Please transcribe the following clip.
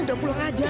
udah pulang aja